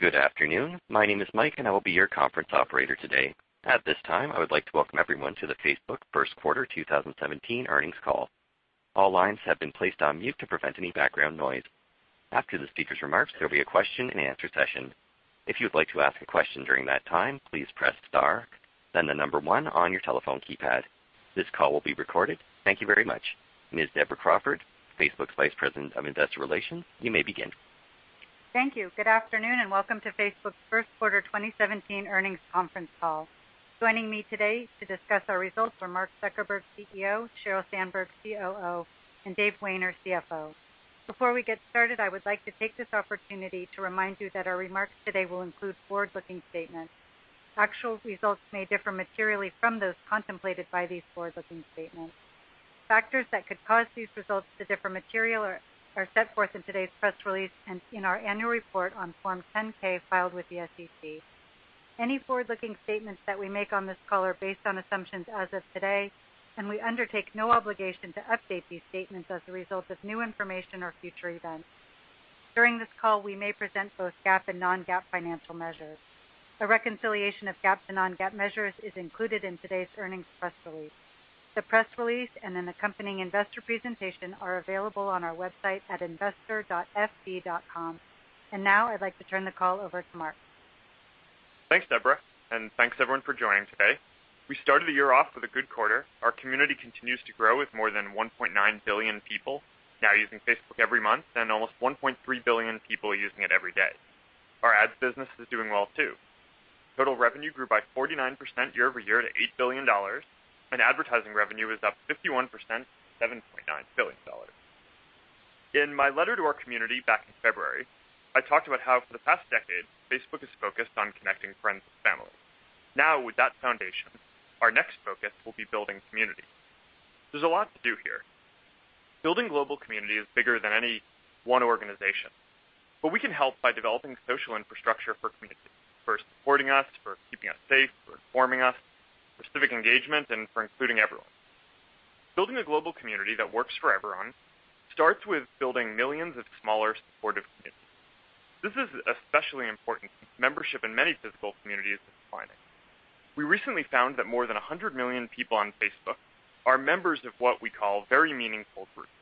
Good afternoon. My name is Mike, and I will be your conference operator today. At this time, I would like to welcome everyone to the Facebook first quarter 2017 earnings call. All lines have been placed on mute to prevent any background noise. After the speaker's remarks, there'll be a question and answer session. If you would like to ask a question during that time, please press star, then the number one on your telephone keypad. This call will be recorded. Thank you very much. Ms. Deborah Crawford, Facebook's Vice President of Investor Relations, you may begin. Thank you. Good afternoon, welcome to Facebook's first quarter 2017 earnings conference call. Joining me today to discuss our results are Mark Zuckerberg, CEO; Sheryl Sandberg, COO; and Dave Wehner, CFO. Before we get started, I would like to take this opportunity to remind you that our remarks today will include forward-looking statements. Actual results may differ materially from those contemplated by these forward-looking statements. Factors that could cause these results to differ materially are set forth in today's press release and in our annual report on Form 10-K filed with the SEC. Any forward-looking statements that we make on this call are based on assumptions as of today, we undertake no obligation to update these statements as a result of new information or future events. During this call, we may present both GAAP and non-GAAP financial measures. A reconciliation of GAAP to non-GAAP measures is included in today's earnings press release. The press release and an accompanying investor presentation are available on our website at investor.fb.com. Now I'd like to turn the call over to Mark. Thanks, Deborah, and thanks everyone for joining today. We started the year off with a good quarter. Our community continues to grow with more than 1.9 billion people now using Facebook every month and almost 1.3 billion people using it every day. Our ads business is doing well too. Total revenue grew by 49% year-over-year to $8 billion, and advertising revenue was up 51% to $7.9 billion. In my letter to our community back in February, I talked about how for the past decade, Facebook has focused on connecting friends and family. Now, with that foundation, our next focus will be building community. There's a lot to do here. Building global community is bigger than any one organization, but we can help by developing social infrastructure for community, for supporting us, for keeping us safe, for informing us, for civic engagement, and for including everyone. Building a global community that works for everyone starts with building millions of smaller supportive communities. This is especially important since membership in many physical communities is declining. We recently found that more than 100 million people on Facebook are members of what we call very meaningful groups,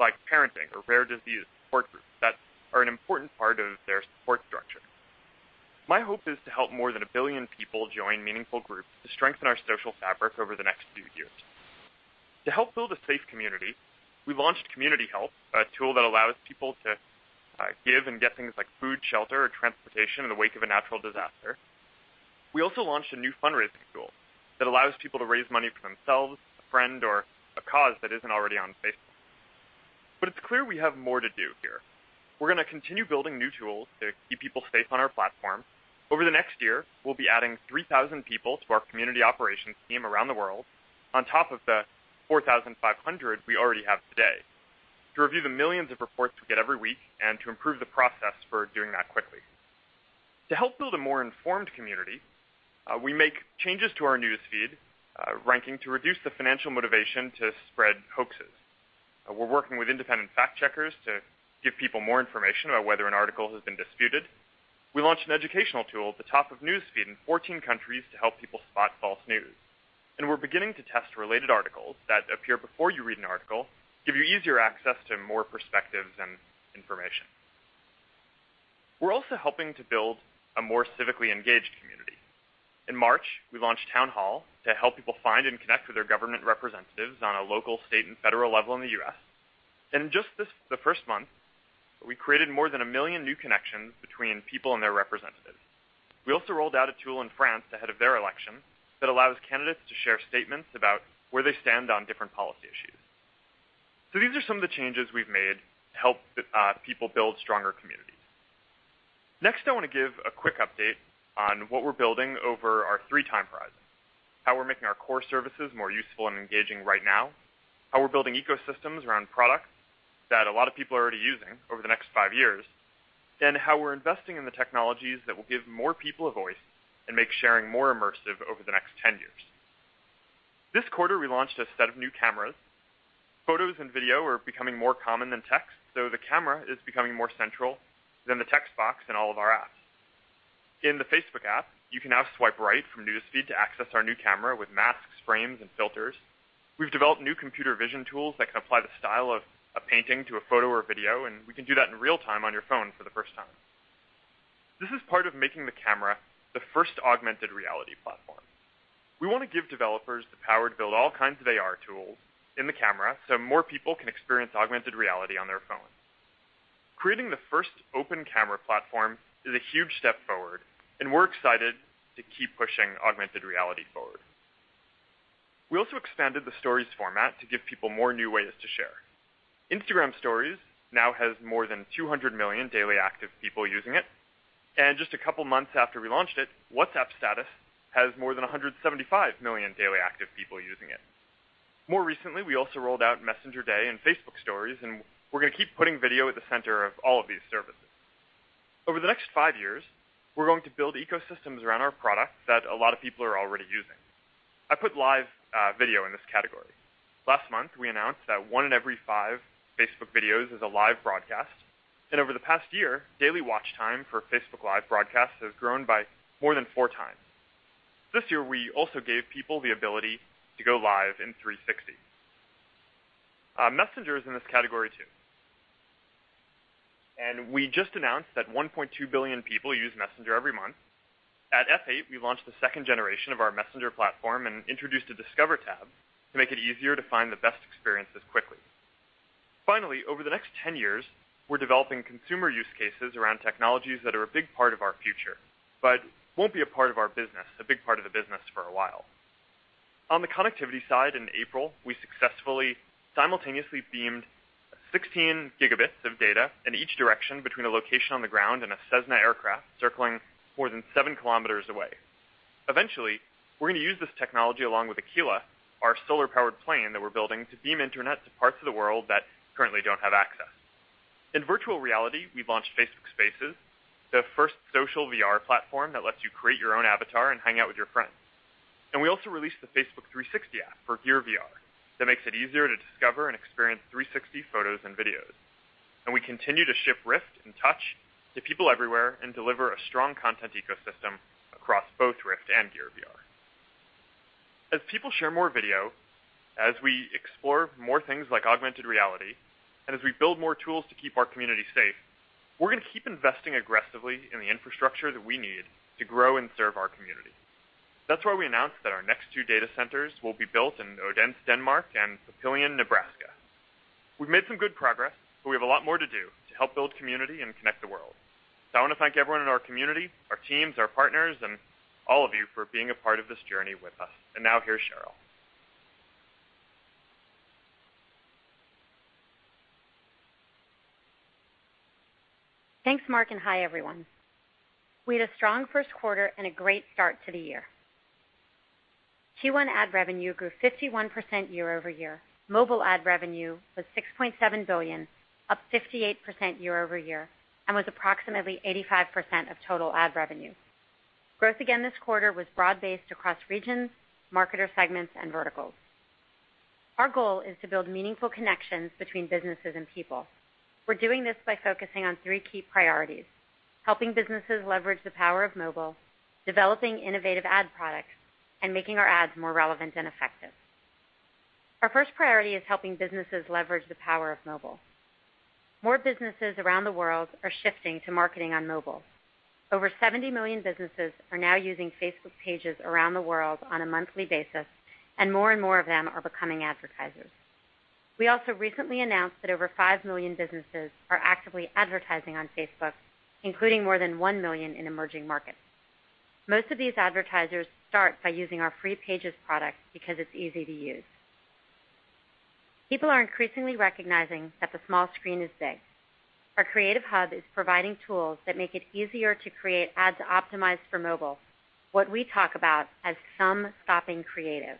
like parenting or rare disease support groups that are an important part of their support structure. My hope is to help more than a billion people join meaningful groups to strengthen our social fabric over the next few years. To help build a safe community, we launched Community Help, a tool that allows people to give and get things like food, shelter, or transportation in the wake of a natural disaster. We also launched a new fundraising tool that allows people to raise money for themselves, a friend, or a cause that isn't already on Facebook. It's clear we have more to do here. We're gonna continue building new tools to keep people safe on our platform. Over the next year, we'll be adding 3,000 people to our community operations team around the world on top of the 4,500 we already have today to review the millions of reports we get every week and to improve the process for doing that quickly. To help build a more informed community, we make changes to our News Feed ranking to reduce the financial motivation to spread hoaxes. We're working with independent fact-checkers to give people more information about whether an article has been disputed. We launched an educational tool at the top of News Feed in 14 countries to help people spot false news. We're beginning to test related articles that appear before you read an article, give you easier access to more perspectives and information. We're also helping to build a more civically engaged community. In March, we launched Town Hall to help people find and connect with their government representatives on a local, state, and federal level in the U.S. In just this, the first month, we created more than a million new connections between people and their representatives. We also rolled out a tool in France ahead of their election that allows candidates to share statements about where they stand on different policy issues. These are some of the changes we've made to help people build stronger communities. Next, I want to give a quick update on what we're building over our three time horizons, how we're making our core services more useful and engaging right now, how we're building ecosystems around products that a lot of people are already using over the next five years, and how we're investing in the technologies that will give more people a voice and make sharing more immersive over the next 10 years. This quarter, we launched a set of new cameras. Photos and video are becoming more common than text, the camera is becoming more central than the text box in all of our apps. In the Facebook app, you can now swipe right from News Feed to access our new camera with masks, frames, and filters. We've developed new computer vision tools that can apply the style of a painting to a photo or video, and we can do that in real time on your phone for the first time. This is part of making the camera the first augmented reality platform. We wanna give developers the power to build all kinds of AR tools in the camera, so more people can experience augmented reality on their phone. Creating the first open camera platform is a huge step forward, and we're excited to keep pushing augmented reality forward. We also expanded the Stories format to give people more new ways to share. Instagram Stories now has more than 200 million daily active people using it. And, just a couple months after we launched it, WhatsApp Status has more than 175 million daily active people using it. More recently, we also rolled out Messenger Day and Facebook Stories, and we're gonna keep putting video at the center of all of these services. Over the next five years, we're going to build ecosystems around our products that a lot of people are already using. I put live video in this category. Last month, we announced that one in every five Facebook videos is a live broadcast. Over the past year, daily watch time for Facebook Live broadcasts has grown by more than 4x. This year, we also gave people the ability to go live in 360. Messenger is in this category too. We just announced that 1.2 billion people use Messenger every month. At F8, we launched the second generation of our Messenger platform and introduced a Discover tab to make it easier to find the best experiences quickly. Over the next 10 years, we're developing consumer use cases around technologies that are a big part of our future, but won't be a part of our business, a big part of the business for a while. On the connectivity side in April, we successfully simultaneously beamed 16 Gb of data in each direction between a location on the ground and a Cessna aircraft circling more than 7 km away. Eventually, we're gonna use this technology along with Aquila, our solar-powered plane that we're building to beam internet to parts of the world that currently don't have access. In virtual reality, we've launched Facebook Spaces, the first social VR platform that lets you create your own avatar and hang out with your friends. We also released the Facebook 360 app for Gear VR that makes it easier to discover and experience 360 photos and videos. We continue to ship Rift and Touch to people everywhere and deliver a strong content ecosystem across both Rift and Gear VR. As people share more video, as we explore more things like augmented reality, and as we build more tools to keep our community safe, we're gonna keep investing aggressively in the infrastructure that we need to grow and serve our community. That's why we announced that our next two data centers will be built in Odense, Denmark and Papillion, Nebraska. We've made some good progress, but we have a lot more to do to help build community and connect the world. I wanna thank everyone in our community, our teams, our partners, and all of you for being a part of this journey with us. Now, here's Sheryl. Thanks, Mark, and hi, everyone. We had a strong first quarter and a great start to the year. Q1 ad revenue grew 51% year-over-year. Mobile ad revenue was $6.7 billion, up 58% year-over-year, and was approximately 85% of total ad revenue. Growth again this quarter was broad-based across regions, marketer segments, and verticals. Our goal is to build meaningful connections between businesses and people. We're doing this by focusing on three key priorities: helping businesses leverage the power of mobile, developing innovative ad products, and making our ads more relevant and effective. Our first priority is helping businesses leverage the power of mobile. More businesses around the world are shifting to marketing on mobile. Over 70 million businesses are now using Facebook Pages around the world on a monthly basis, and more and more of them are becoming advertisers. We also recently announced that over 5 million businesses are actively advertising on Facebook, including more than 1 million in emerging markets. Most of these advertisers start by using our free Pages product because it's easy to use. People are increasingly recognizing that the small screen is big. Our Creative Hub is providing tools that make it easier to create ads optimized for mobile, what we talk about as thumb-stopping creative.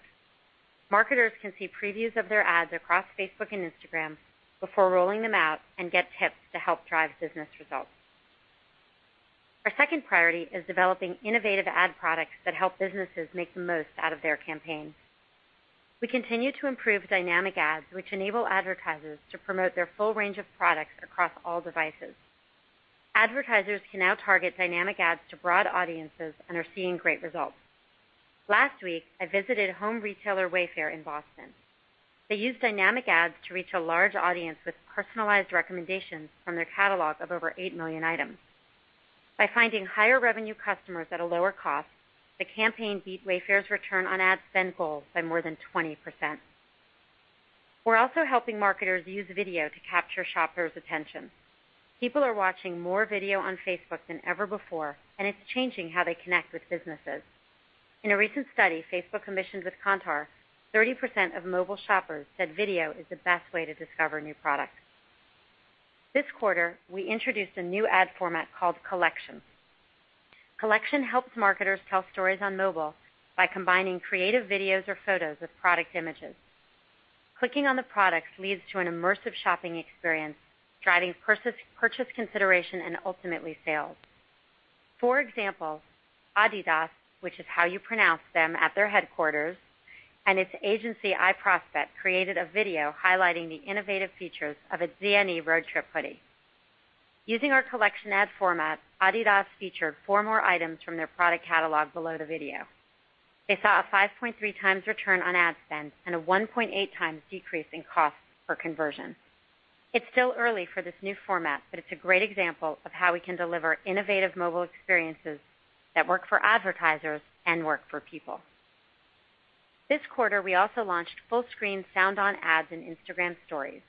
Marketers can see previews of their ads across Facebook and Instagram before rolling them out and get tips to help drive business results. Our second priority is developing innovative ad products that help businesses make the most out of their campaigns. We continue to improve Dynamic Ads, which enable advertisers to promote their full range of products across all devices. Advertisers can now target Dynamic Ads to broad audiences and are seeing great results. Last week, I visited home retailer Wayfair in Boston. They used Dynamic Ads to reach a large audience with personalized recommendations from their catalog of over 8 million items. By finding higher revenue customers at a lower cost, the campaign beat Wayfair's return on ad spend goals by more than 20%. We're also helping marketers use video to capture shoppers' attention. People are watching more video on Facebook than ever before, and it's changing how they connect with businesses. In a recent study Facebook commissioned with Kantar, 30% of mobile shoppers said video is the best way to discover new products. This quarter, we introduced a new ad format called Collection. Collection helps marketers tell stories on mobile by combining creative videos or photos with product images. Clicking on the products leads to an immersive shopping experience, driving purchase consideration and ultimately sales. For example, adidas, which is how you pronounce them at their headquarters, and its agency, iProspect, created a video highlighting the innovative features of a Z.N.E. Road Trip Hoodie. Using our Collection ad format, adidas featured four more items from their product catalog below the video. They saw a 5.3x return on ad spend and a 1.8x decrease in cost per conversion. It's still early for this new format, but it's a great example of how we can deliver innovative mobile experiences that work for advertisers and work for people. This quarter, we also launched full-screen sound-on ads in Instagram Stories.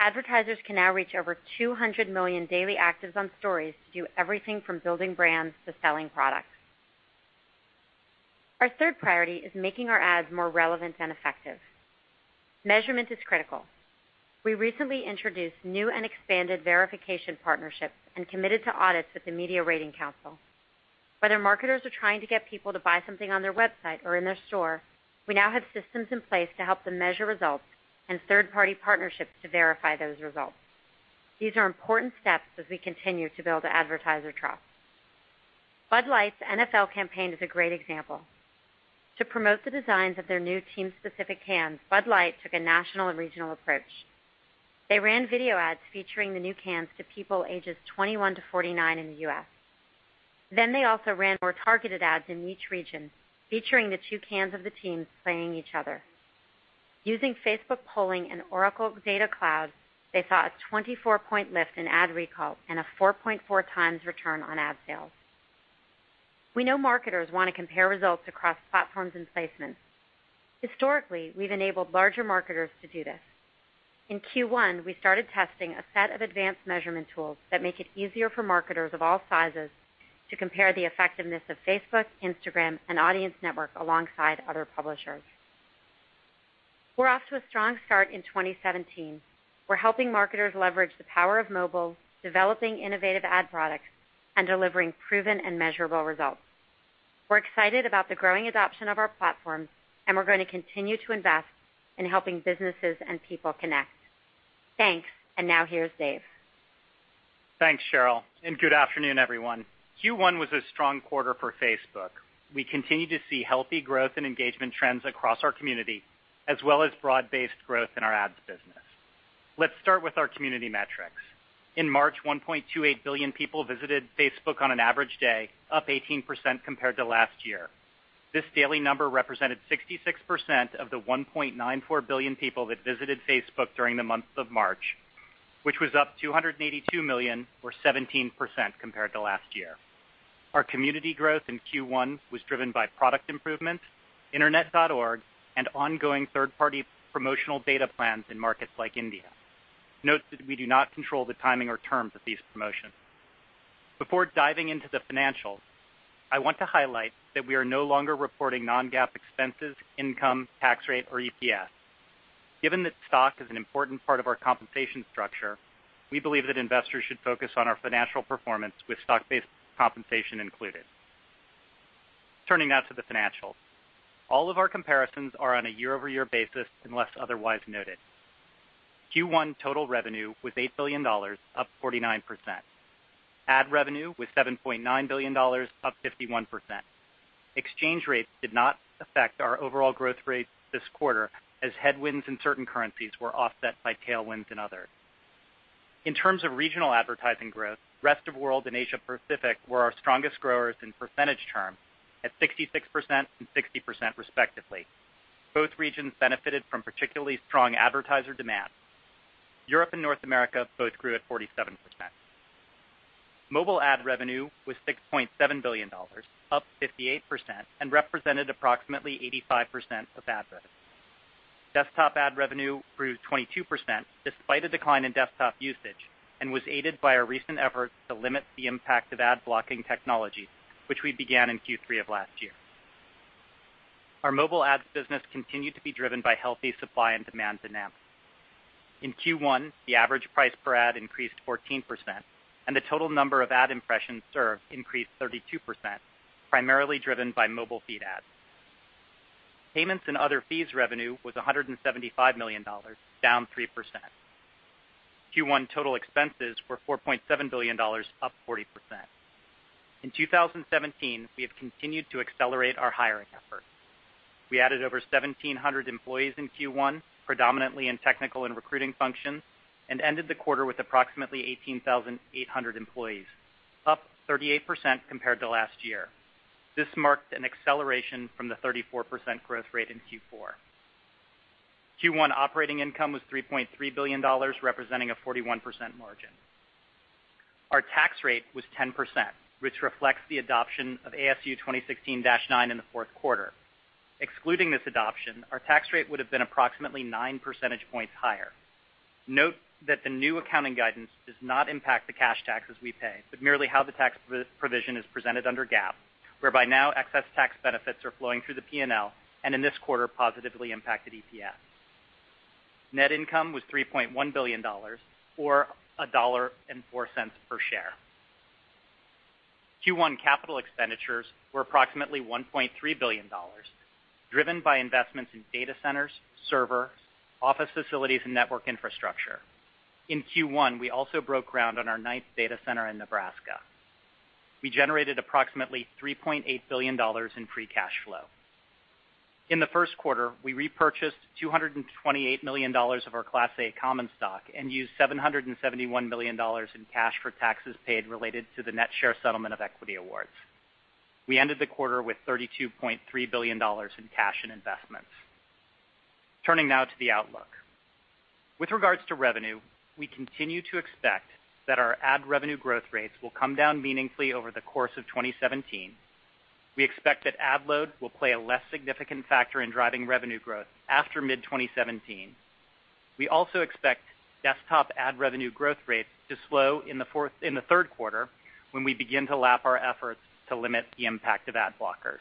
Advertisers can now reach over 200 million daily actives on Stories to do everything from building brands to selling products. Our third priority is making our ads more relevant and effective. Measurement is critical. We recently introduced new and expanded verification partnerships and committed to audits with the Media Rating Council. Whether marketers are trying to get people to buy something on their website or in their store, we now have systems in place to help them measure results and third-party partnerships to verify those results. These are important steps as we continue to build advertiser trust. Bud Light's NFL campaign is a great example. To promote the designs of their new team-specific cans, Bud Light took a national and regional approach. They ran video ads featuring the new cans to people ages 21 to 49 in the U.S. They also ran more targeted ads in each region, featuring the two cans of the teams playing each other. Using Facebook polling and Oracle Data Cloud, they saw a 24-point lift in ad recall and a 4.4x return on ad sales. We know marketers wanna compare results across platforms and placements. Historically, we've enabled larger marketers to do this. In Q1, we started testing a set of advanced measurement tools that make it easier for marketers of all sizes to compare the effectiveness of Facebook, Instagram, and Audience Network alongside other publishers. We're off to a strong start in 2017. We're helping marketers leverage the power of mobile, developing innovative ad products, and delivering proven and measurable results. We're excited about the growing adoption of our platform, and we're gonna continue to invest in helping businesses and people connect. Thanks. Now, here's Dave. Thanks, Sheryl. Good afternoon, everyone. Q1 was a strong quarter for Facebook. We continue to see healthy growth and engagement trends across our community, as well as broad-based growth in our ads business. Let's start with our community metrics. In March, 1.28 billion people visited Facebook on an average day, up 18% compared to last year. This daily number represented 66% of the 1.94 billion people that visited Facebook during the month of March, which was up 282 million or 17% compared to last year. Our community growth in Q1 was driven by product improvements, Internet.org, and ongoing third-party promotional data plans in markets like India. Note that we do not control the timing or terms of these promotions. Before diving into the financials, I want to highlight that we are no longer reporting non-GAAP expenses, income, tax rate, or EPS. Given that stock is an important part of our compensation structure, we believe that investors should focus on our financial performance with stock-based compensation included. Turning now to the financials. All of our comparisons are on a year-over-year basis, unless otherwise noted. Q1 total revenue was $8 billion, up 49%. Ad revenue was $7.9 billion, up 51%. Exchange rates did not affect our overall growth rate this quarter, as headwinds in certain currencies were offset by tailwinds in others. In terms of regional advertising growth, rest of world and Asia Pacific were our strongest growers in percentage terms at 66% and 60% respectively. Both regions benefited from particularly strong advertiser demand. Europe and North America both grew at 47%. Mobile ad revenue was $6.7 billion, up 58%, and represented approximately 85% of ad revenue. Desktop ad revenue grew 22% despite a decline in desktop usage and was aided by our recent efforts to limit the impact of ad-blocking technology, which we began in Q3 of last year. Our mobile ads business continued to be driven by healthy supply and demand dynamics. In Q1, the average price per ad increased 14% and the total number of ad impressions served increased 32%, primarily driven by mobile feed ads. Payments and other fees revenue was $175 million, down 3%. Q1 total expenses were $4.7 billion, up 40%. In 2017, we have continued to accelerate our hiring efforts. We added over 1,700 employees in Q1, predominantly in technical and recruiting functions, and ended the quarter with approximately 18,800 employees, up 38% compared to last year. This marked an acceleration from the 34% growth rate in Q4. Q1 operating income was $3.3 billion, representing a 41% margin. Our tax rate was 10%, which reflects the adoption of ASU 2016-09 in the fourth quarter. Excluding this adoption, our tax rate would have been approximately 9 percentage points higher. Note that the new accounting guidance does not impact the cash taxes we pay, but merely how the tax pro-provision is presented under GAAP, whereby now excess tax benefits are flowing through the P&L, and in this quarter, positively impacted EPS. Net income was $3.1 billion or $1.04 per share. Q1 capital expenditures were approximately $1.3 billion, driven by investments in data centers, server, office facilities, and network infrastructure. In Q1, we also broke ground on our ninth data center in Nebraska. We generated approximately $3.8 billion in free cash flow. In the first quarter, we repurchased $228 million of our Class A common stock and used $771 million in cash for taxes paid related to the net share settlement of equity awards. We ended the quarter with $32.3 billion in cash and investments. Turning now to the outlook. With regards to revenue, we continue to expect that our ad revenue growth rates will come down meaningfully over the course of 2017. We expect that ad load will play a less significant factor in driving revenue growth after mid-2017. We also expect desktop ad revenue growth rates to slow in the third quarter, when we begin to lap our efforts to limit the impact of ad blockers.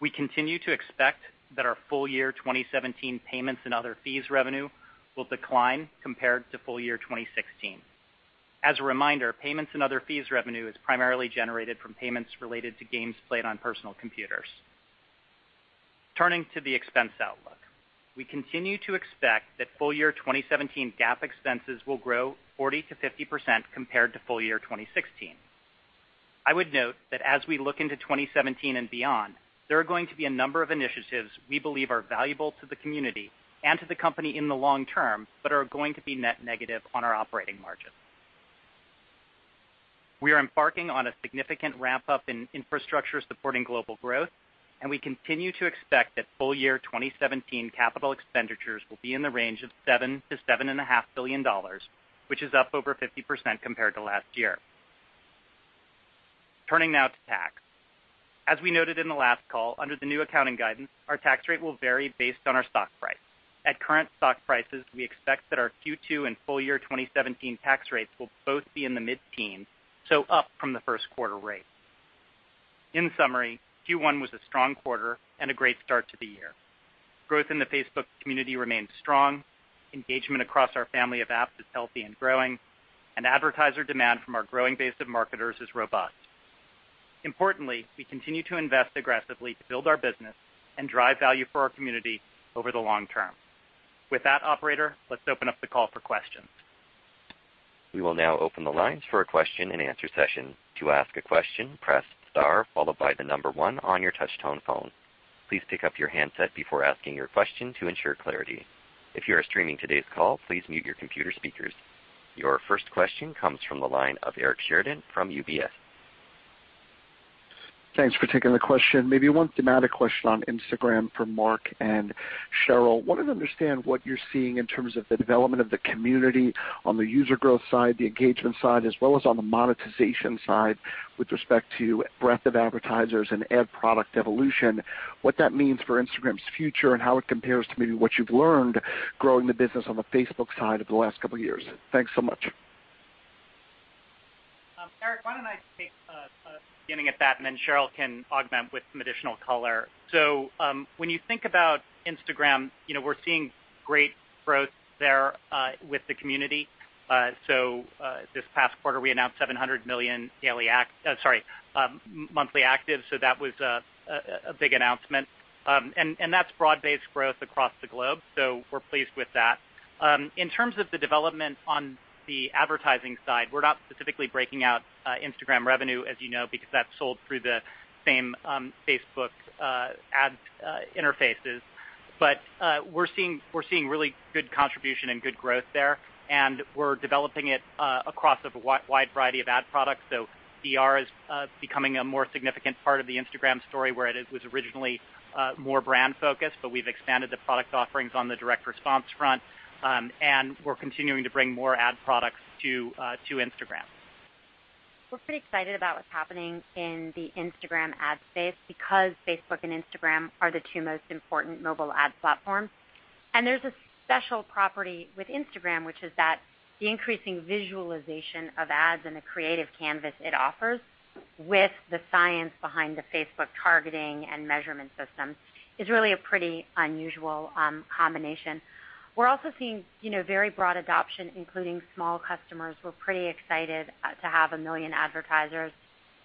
We continue to expect that our full year 2017 payments and other fees revenue will decline compared to full year 2016. As a reminder, payments and other fees revenue is primarily generated from payments related to games played on personal computers. Turning to the expense outlook. We continue to expect that full year 2017 GAAP expenses will grow 40%-50% compared to full year 2016. I would note that as we look into 2017 and beyond, there are going to be a number of initiatives we believe are valuable to the community and to the company in the long term, but are going to be net negative on our operating margin. We are embarking on a significant ramp-up in infrastructure supporting global growth, and we continue to expect that full year 2017 capital expenditures will be in the range of $7 billion-$7.5 billion, which is up over 50% compared to last year. Turning now to tax. As we noted in the last call, under the new accounting guidance, our tax rate will vary based on our stock price. At current stock prices, we expect that our Q2 and full year 2017 tax rates will both be in the mid-teen, up from the first quarter rate. In summary, Q1 was a strong quarter and a great start to the year. Growth in the Facebook community remains strong, engagement across our family of apps is healthy and growing, and advertiser demand from our growing base of marketers is robust. Importantly, we continue to invest aggressively to build our business and drive value for our community over the long term. With that, operator, let's open up the call for questions. We will now open the lines for a question-and-answer session. To ask a question, press star followed by the number one on your touchtone phone. Please pick up your handset before asking your question to ensure clarity. If you are streaming today's call, please mute your computer's speaker. Your first question comes from the line of Eric Sheridan from UBS. Thanks for taking the question. Maybe one thematic question on Instagram for Mark and Sheryl. Wanted to understand what you're seeing in terms of the development of the community on the user growth side, the engagement side, as well as on the monetization side with respect to breadth of advertisers and ad product evolution, what that means for Instagram's future and how it compares to maybe what you've learned growing the business on the Facebook side over the last couple years. Thanks so much. Eric, why don't I take a beginning at that, and then Sheryl can augment with some additional color? When you think about Instagram, you know, we're seeing great growth there with the community. This past quarter, we announced 700 million monthly actives, that was a big announcement. That's broad-based growth across the globe, we're pleased with that. In terms of the development on the advertising side, we're not specifically breaking out Instagram revenue, as you know, because that's sold through the same Facebook ads interfaces. We're seeing really good contribution and good growth there, and we're developing it across a wide variety of ad products. DR is becoming a more significant part of the Instagram Stories, where it was originally more brand-focused, but we've expanded the product offerings on the direct response front, and we're continuing to bring more ad products to Instagram. We're pretty excited about what's happening in the Instagram ad space because Facebook and Instagram are the two most important mobile ad platforms. There's a special property with Instagram, which is that the increasing visualization of ads and the creative canvas it offers with the science behind the Facebook targeting and measurement system is really a pretty unusual combination. We're also seeing, you know, very broad adoption, including small customers. We're pretty excited to have 1 million advertisers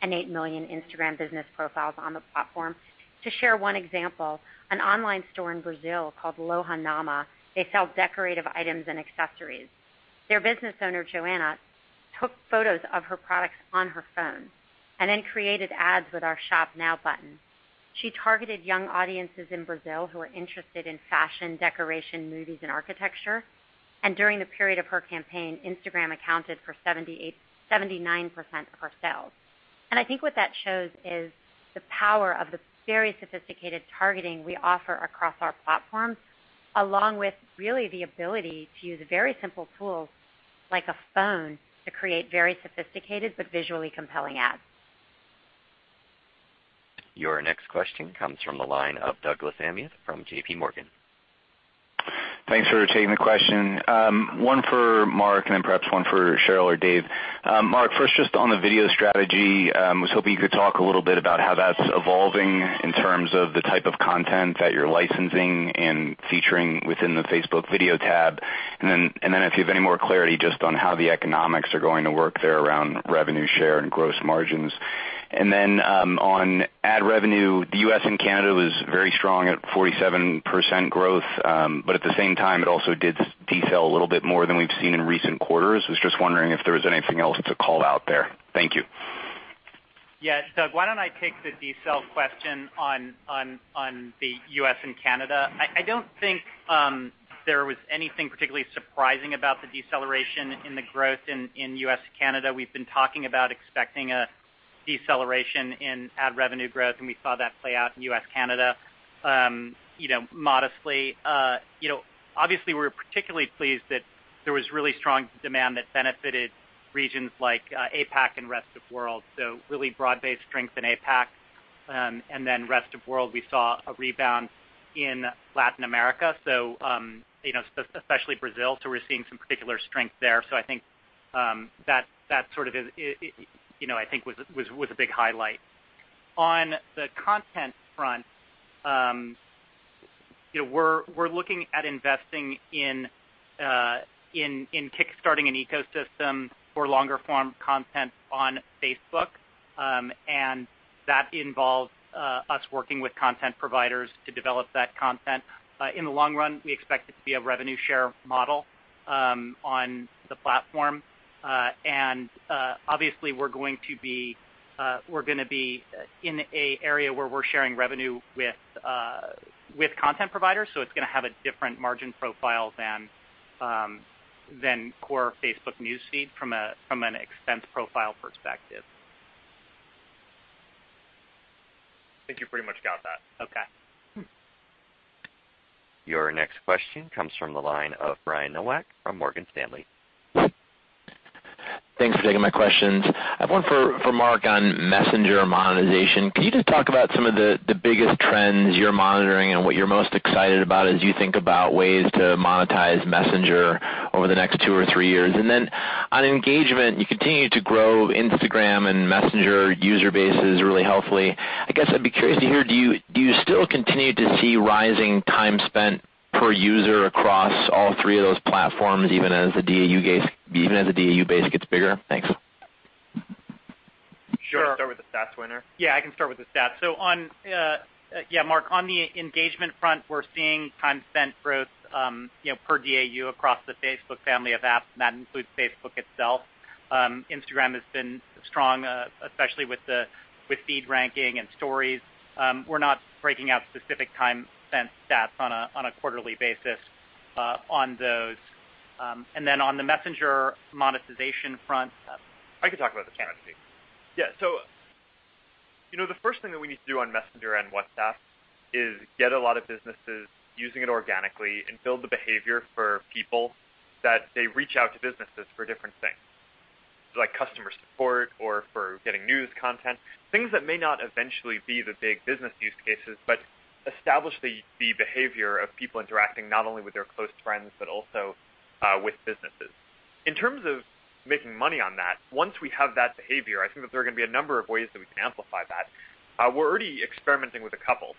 and 8 million Instagram business profiles on the platform. To share one example, an online store in Brazil called Loja Namu, they sell decorative items and accessories. Their business owner, Joanna, took photos of her products on her phone and then created ads with our Shop Now button. She targeted young audiences in Brazil who are interested in fashion, decoration, movies, and architecture. During the period of her campaign, Instagram accounted for 78%-79% of her sales. I think what that shows is the power of the very sophisticated targeting we offer across our platforms, along with really the ability to use very simple tools like a phone to create very sophisticated but visually compelling ads. Your next question comes from the line of Douglas Anmuth from JPMorgan. Thanks for taking the question. One for Mark and then perhaps one for Sheryl or Dave. Mark, first just on the video strategy, was hoping you could talk a little bit about how that's evolving in terms of the type of content that you're licensing and featuring within the Facebook Video tab. Then if you have any more clarity just on how the economics are going to work there around revenue share and gross margins. Then on ad revenue, the U.S. and Canada was very strong at 47% growth, but at the same time, it also did decel a little bit more than we've seen in recent quarters. I was just wondering if there was anything else to call out there. Thank you. Yeah. Doug, why don't I take the decel question on the U.S. and Canada? I don't think there was anything particularly surprising about the deceleration in the growth in U.S., Canada. We've been talking about expecting a deceleration in ad revenue growth, we saw that play out in U.S., Canada, you know, modestly. You know, obviously, we're particularly pleased that there was really strong demand that benefited regions like APAC and rest of world, so really broad-based strength in APAC. Rest of world, we saw a rebound in Latin America, so, you know, especially Brazil. We're seeing some particular strength there. I think that sort of is, I, you know, I think was a big highlight. On the content front, you know, we're looking at investing in kickstarting an ecosystem for longer form content on Facebook, and that involves us working with content providers to develop that content. In the long run, we expect it to be a revenue share model on the platform. Obviously we're gonna be in an area where we're sharing revenue with content providers, so it's gonna have a different margin profile than core Facebook News Feed from an expense profile perspective. I think you pretty much got that. Okay. Your next question comes from the line of Brian Nowak from Morgan Stanley. Thanks for taking my questions. I have one for Mark on Messenger monetization. Can you just talk about some of the biggest trends you're monitoring and what you're most excited about as you think about ways to monetize Messenger over the next two or three years? Then on engagement, you continue to grow Instagram and Messenger user bases really healthily. I guess I'd be curious to hear, do you still continue to see rising time spent per user across all three of those platforms, even as the DAU base gets bigger? Thanks. Sure. Do you want to start with the stats, Wehner? Yeah, I can start with the stats. On, yeah, Mark, on the engagement front, we're seeing time spent growth, you know, per DAU across the Facebook family of apps, and that includes Facebook itself. Instagram has been strong, especially with the, with feed ranking and Stories. We're not breaking out specific time spent stats on a quarterly basis on those. And, then on the Messenger monetization front- I can talk about this one, actually. Okay. You know, the first thing that we need to do on Messenger and WhatsApp is get a lot of businesses using it organically and build the behavior for people that they reach out to businesses for different things, like customer support or for getting news content, things that may not eventually be the big business use cases, but establish the behavior of people interacting not only with their close friends, but also with businesses. In terms of making money on that, once we have that behavior, I think that there are gonna be a number of ways that we can amplify that. We're already experimenting with a couple.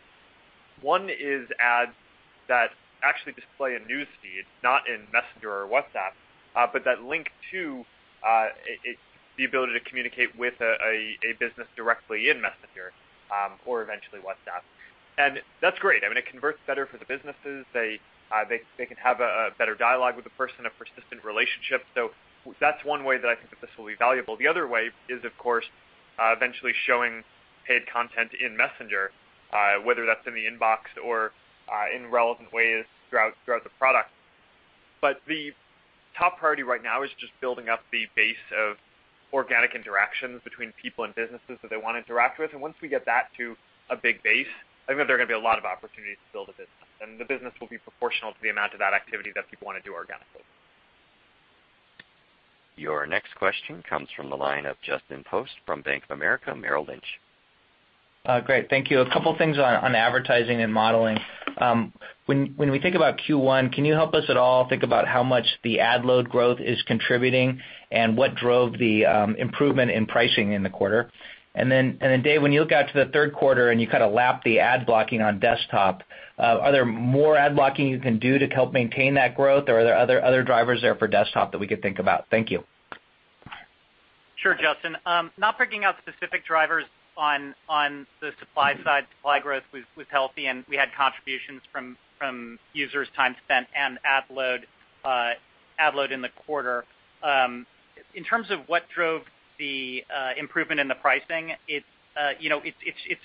One is ads that actually display a News Feed, not in Messenger or WhatsApp, but that link to it's the ability to communicate with a business directly in Messenger or eventually WhatsApp. That's great. I mean, it converts better for the businesses. They can have a better dialogue with the person, a persistent relationship. That's one way that I think that this will be valuable. The other way is, of course, eventually showing paid content in Messenger, whether that's in the inbox or in relevant ways throughout the product. The top priority right now is just building up the base of organic interactions between people and businesses that they want to interact with. Once we get that to a big base, I think that there are gonna be a lot of opportunities to build a business, and the business will be proportional to the amount of that activity that people want to do organically. Your next question comes from the line of Justin Post from Bank of America Merrill Lynch. Great. Thank you. A couple things on advertising and modeling. When we think about Q1, can you help us at all think about how much the ad load growth is contributing and what drove the improvement in pricing in the quarter? Dave, when you look out to the third quarter and you kind of lap the ad blocking on desktop, are there more ad blocking you can do to help maintain that growth or are there other drivers there for desktop that we could think about? Thank you. Sure, Justin. Not breaking out specific drivers on the supply side. Supply growth was healthy, and we had contributions from users' time spent and ad load in the quarter. In terms of what drove the improvement in the pricing, it's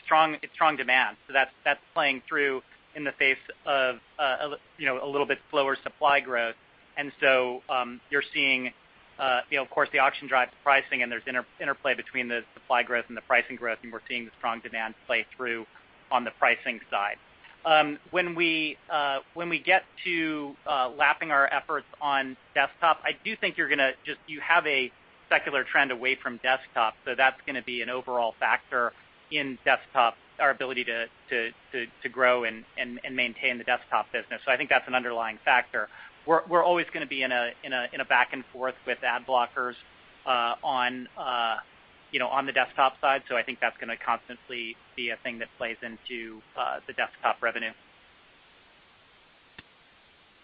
strong demand. That's playing through in the face of, you know, a little bit slower supply growth. You're seeing, you know, of course, the auction drives pricing and there's interplay between the supply growth and the pricing growth, and we're seeing the strong demand play through on the pricing side. When we get to lapping our efforts on desktop, I do think you're gonna just you have a secular trend away from desktop, that's gonna be an overall factor in desktop, our ability to grow and maintain the desktop business. I think that's an underlying factor. We're always gonna be in a back and forth with ad blockers, on, you know, on the desktop side, I think that's gonna constantly be a thing that plays into the desktop revenue.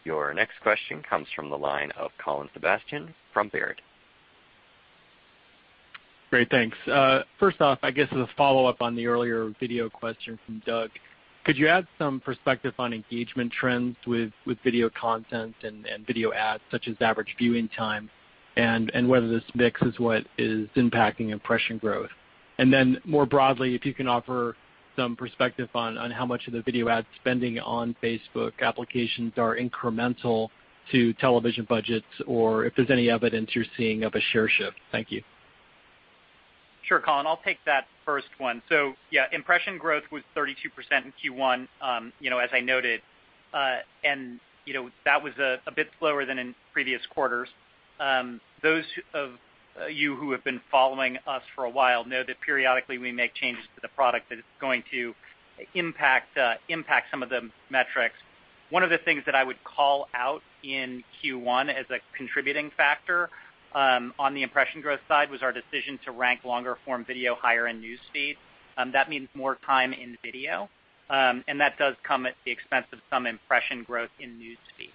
Your next question comes from the line of Colin Sebastian from Baird. Great, thanks. first off, I guess as a follow-up on the earlier video question from Doug, could you add some perspective on engagement trends with video content and video ads, such as average viewing time, and whether this mix is what is impacting impression growth? Then more broadly, if you can offer some perspective on how much of the video ad spending on Facebook applications are incremental to television budgets, or if there's any evidence you're seeing of a share shift. Thank you. Sure, Colin. I'll take that first one. Yeah, impression growth was 32% in Q1, you know, as I noted. You know, that was a bit slower than in previous quarters. Those of you who have been following us for a while know that periodically we make changes to the product that is going to impact some of the metrics. One of the things that I would call out in Q1 as a contributing factor on the impression growth side was our decision to rank longer form video higher-end News Feed. That means more time in video, that does come at the expense of some impression growth in News Feed.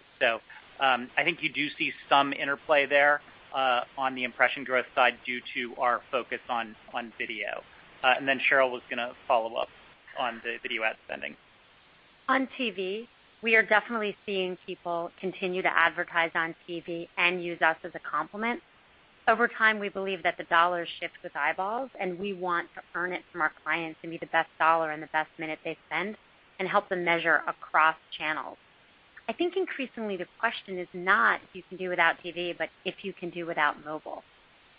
I think you do see some interplay there on the impression growth side due to our focus on video. Then Sheryl was gonna follow up on the video ad spending. On TV, we are definitely seeing people continue to advertise on TV and use us as a complement. Over time, we believe that the dollars shift with eyeballs, and we want to earn it from our clients to be the best dollar and the best minute they spend and help them measure across channels. I think increasingly the question is not if you can do without TV, but if you can do without mobile.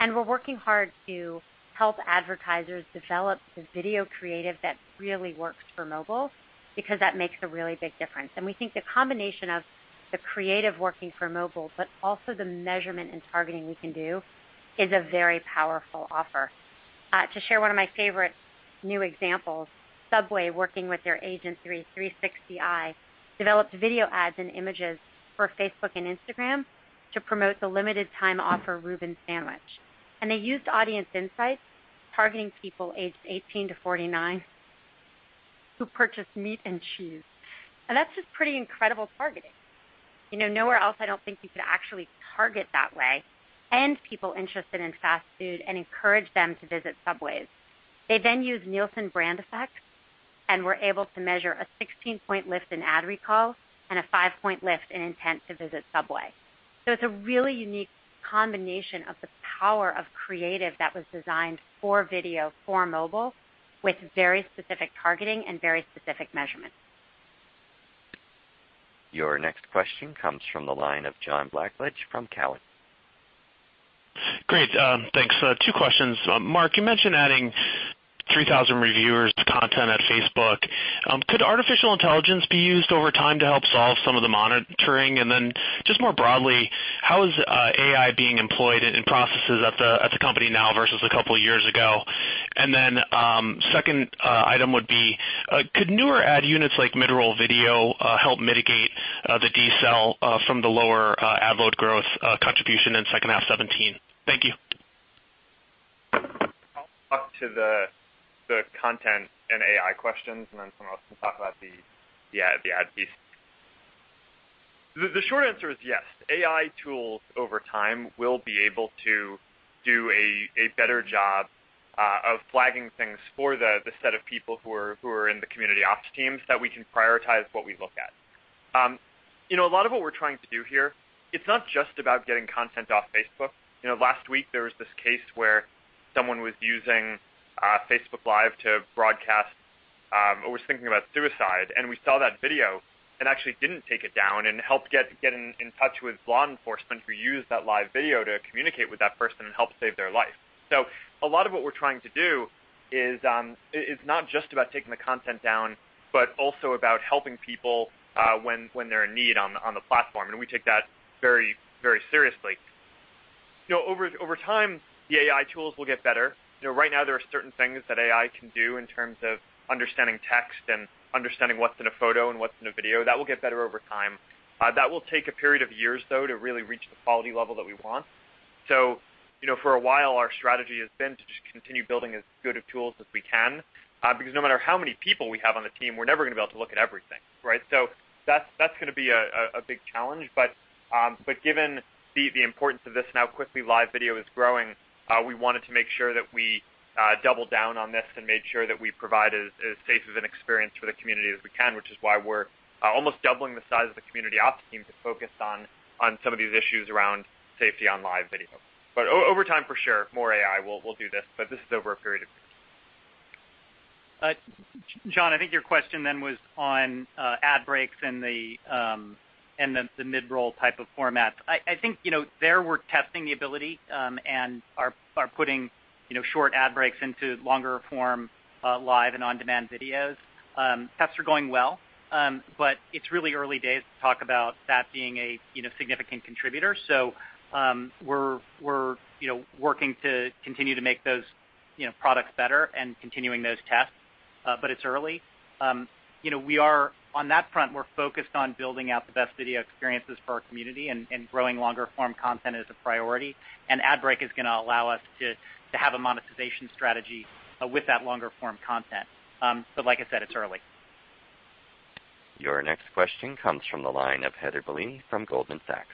We're working hard to help advertisers develop the video creative that really works for mobile because that makes a really big difference. We think the combination of the creative working for mobile, but also the measurement and targeting we can do is a very powerful offer. To share one of my favorite new examples, Subway, working with their agency, 360i, developed video ads and images for Facebook and Instagram to promote the limited time offer Reuben sandwich. They used audience insights, targeting people aged 18 to 49 who purchase meat and cheese. That's just pretty incredible targeting. You know, nowhere else I don't think you could actually target that way, and people interested in fast food and encourage them to visit Subway. They then used Nielsen Brand Effect and were able to measure a 16-point lift in ad recall and a 5-point lift in intent to visit Subway. It's a really unique combination of the power of creative that was designed for video, for mobile, with very specific targeting and very specific measurements. Your next question comes from the line of John Blackledge from Cowen. Great, thanks. Two questions. Mark, you mentioned adding 3,000 reviewers to content at Facebook. Could artificial intelligence be used over time to help solve some of the monitoring? Just more broadly, how is AI being employed in processes at the company now versus a couple of years ago? Second item would be, could newer ad units like mid-roll video help mitigate the decel from the lower ad load growth contribution in second half 2017? Thank you. I'll talk to the content and AI questions. Someone else can talk about the ad piece. The short answer is yes. AI tools over time will be able to do a better job of flagging things for the set of people who are in the community ops teams that we can prioritize what we look at. You know, a lot of what we're trying to do here, it's not just about getting content off Facebook. You know, last week there was this case where someone was using Facebook Live to broadcast or was thinking about suicide, and we saw that video and actually didn't take it down and helped get in touch with law enforcement who used that live video to communicate with that person and help save their life. A lot of what we're trying to do is not just about taking the content down, but also about helping people when they're in need on the platform. We take that very seriously. You know, over time, the AI tools will get better. You know, right now there are certain things that AI can do in terms of understanding text and understanding what's in a photo and what's in a video. That will get better over time. That will take a period of years, though, to really reach the quality level that we want. You know, for a while our strategy has been to just continue building as good of tools as we can, because no matter how many people we have on the team, we're never gonna be able to look at everything, right? That's gonna be a big challenge. Given the importance of this and how quickly live video is growing, we wanted to make sure that we double down on this and made sure that we provide as safe of an experience for the community as we can, which is why we're almost doubling the size of the community ops team to focus on some of these issues around safety on live video. Over time, for sure, more AI will do this, but this is over a period of years. John, I think your question then was on ad breaks and the mid-roll type of formats. I think, you know, there we're testing the ability and are putting, you know, short ad breaks into longer form live and on-demand videos. Tests are going well, it's really early days to talk about that being a, you know, significant contributor. We're, you know, working to continue to make those, you know, products better and continuing those tests, it's early. You know, on that front, we're focused on building out the best video experiences for our community and growing longer form content as a priority. Ad break is gonna allow us to have a monetization strategy with that longer form content. Like I said, it's early. Your next question comes from the line of Heather Bellini from Goldman Sachs.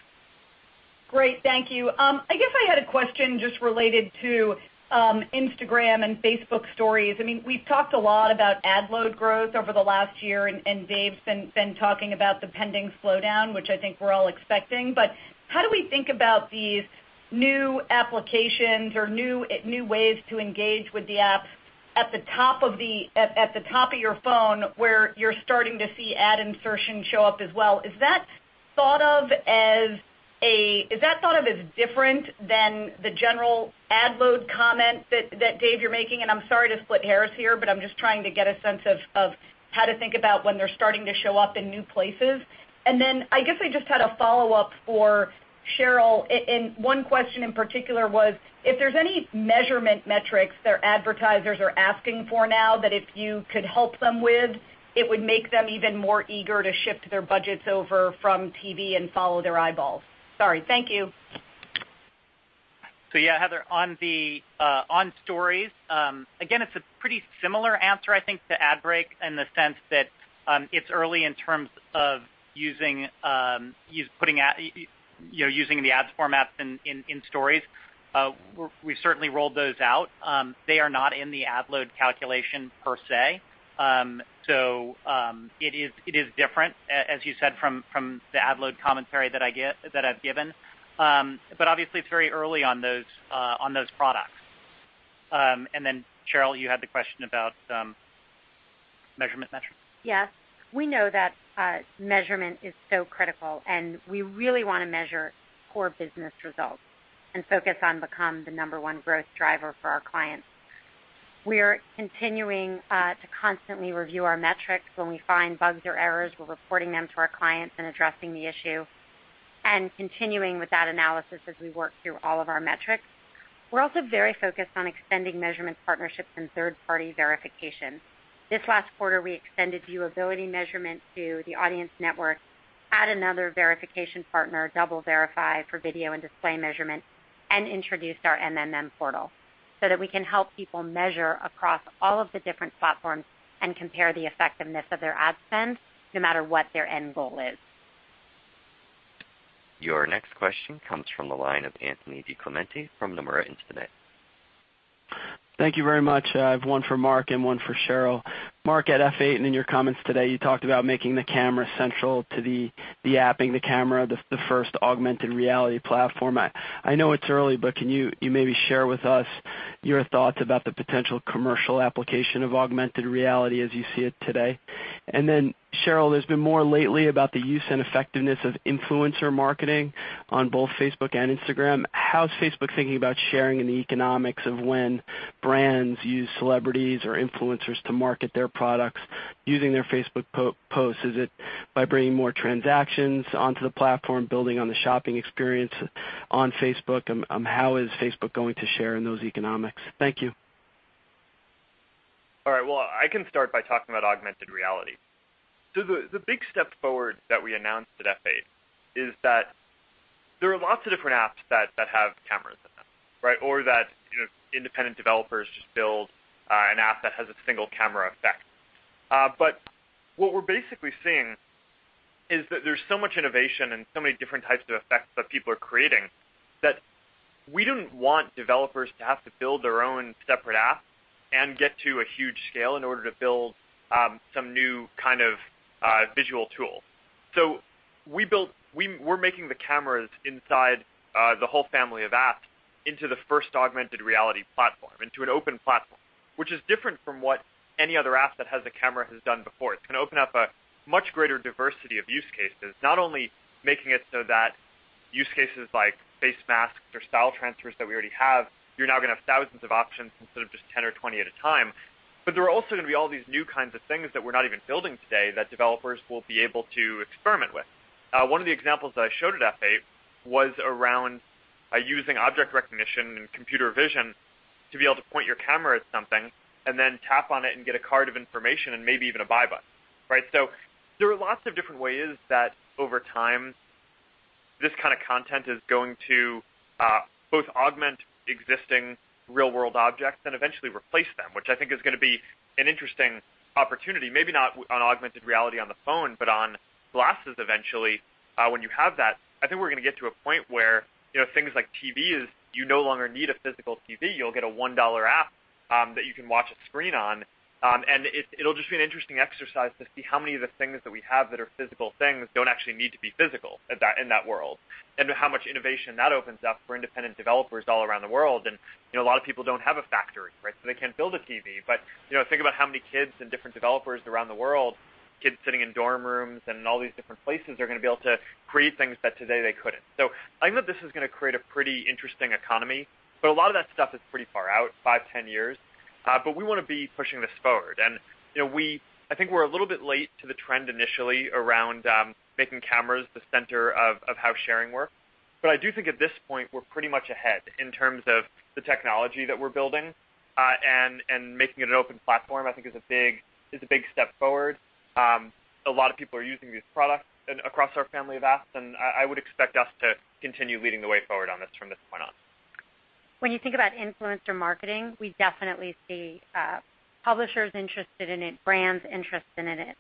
Great. Thank you. I guess I had a question just related to Instagram and Facebook Stories. I mean, we've talked a lot about ad load growth over the last year, and Dave's been talking about the pending slowdown, which I think we're all expecting. How do we think about these new applications or new ways to engage with the app at the top of your phone where you're starting to see ad insertion show up as well? Is that thought of as different than the general ad load comment that Dave you're making? I'm sorry to split hairs here, but I'm just trying to get a sense of how to think about when they're starting to show up in new places. I guess I just had a follow-up for Sheryl, one question in particular was, if there's any measurement metrics their advertisers are asking for now that if you could help them with, it would make them even more eager to shift their budgets over from TV and follow their eyeballs. Sorry, thank you. Yeah, Heather, on the Stories, again, it's a pretty similar answer, I think, to ad break in the sense that it's early in terms of using us putting out, you know, using the ads formats in Stories. We've certainly rolled those out. They are not in the ad load calculation per se. It is different as you said, from the ad load commentary that I've given. Obviously it's very early on those products. Sheryl, you had the question about measurement metrics. Yes. We know that measurement is so critical. We really wanna measure core business results and focus on become the number one growth driver for our clients. We're continuing to constantly review our metrics. When we find bugs or errors, we're reporting them to our clients and addressing the issue and continuing with that analysis as we work through all of our metrics. We're also very focused on extending measurement partnerships and third-party verification. This last quarter, we extended viewability measurement to the Audience Network, add another verification partner, DoubleVerify for video and display measurement, and introduced our MMM portal so that we can help people measure across all of the different platforms and compare the effectiveness of their ad spend no matter what their end goal is. Your next question comes from the line of Anthony DiClemente from Nomura Instinet. Thank you very much. I have one for Mark and one for Sheryl. Mark, at F8 and in your comments today, you talked about making the camera central to the app, making the camera, the first augmented reality platform. I know it's early, can you maybe share with us your thoughts about the potential commercial application of augmented reality as you see it today? Sheryl, there's been more lately about the use and effectiveness of influencer marketing on both Facebook and Instagram. How's Facebook thinking about sharing in the economics of when brands use celebrities or influencers to market their products using their Facebook post? Is it by bringing more transactions onto the platform, building on the shopping experience on Facebook? How is Facebook going to share in those economics? Thank you. All right. Well, I can start by talking about augmented reality. The big step forward that we announced at F8 is that there are lots of different apps that have cameras in them, right? That, you know, independent developers just build an app that has a single camera effect. What we're basically seeing is that there's so much innovation and so many different types of effects that people are creating that we don't want developers to have to build their own separate app and get to a huge scale in order to build some new kind of visual tool. We're making the cameras inside the whole family of apps into the first augmented reality platform, into an open platform, which is different from what any other app that has a camera has done before. It's gonna open up a much greater diversity of use cases, not only making it so that use cases like face masks or style transfers that we already have, you're now gonna have thousands of options instead of just 10 or 20 at a time. There are also gonna be all these new kinds of things that we're not even building today that developers will be able to experiment with. One of the examples that I showed at F8 was around using object recognition and computer vision to be able to point your camera at something and then tap on it and get a card of information and maybe even a buy button, right? There are lots of different ways that over time, this kind of content is going to both augment existing real-world objects and eventually replace them, which I think is going to be an interesting opportunity, maybe not on augmented reality on the phone, but on glasses eventually, when you have that. I think we're going to get to a point where, you know, things like TVs, you no longer need a physical TV. You'll get a $1 app that you can watch a screen on. It'll just be an interesting exercise to see how many of the things that we have that are physical things don't actually need to be physical at that, in that world, and how much innovation that opens up for independent developers all around the world. You know, a lot of people don't have a factory, right? They can't build a TV. You know, think about how many kids and different developers around the world, kids sitting in dorm rooms and all these different places are going to be able to create things that today they couldn't. I think that this is going to create a pretty interesting economy, but a lot of that stuff is pretty far out, 5, 10 years. We want to be pushing this forward. You know, I think we're a little bit late to the trend initially around making cameras the center of how sharing work. I do think at this point, we're pretty much ahead in terms of the technology that we're building, and making it an open platform, I think is a big step forward. A lot of people are using these products across our family of apps, and I would expect us to continue leading the way forward on this from this point on. When you think about influencer marketing, we definitely see publishers interested in it, brands interested in it.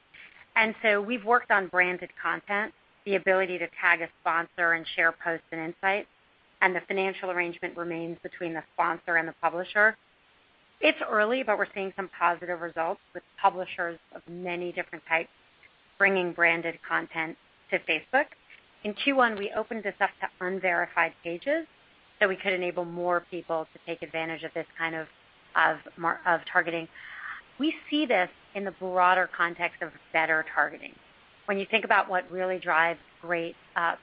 We've worked on branded content, the ability to tag a sponsor and share posts and insights, and the financial arrangement remains between the sponsor and the publisher. It's early, but we're seeing some positive results with publishers of many different types bringing branded content to Facebook. In Q1, we opened this up to unverified pages, so we could enable more people to take advantage of this kind of targeting. We see this in the broader context of better targeting. When you think about what really drives great